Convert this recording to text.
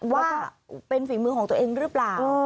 ว่าจะเป็นฝีมือของตัวเองหรือเปล่า